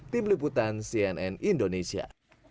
tim liputan cnn indonesia